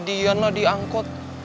udah diana diangkut